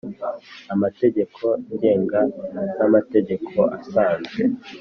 amategeko ngenga n amategeko asanzwe